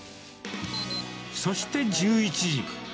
そして１１時。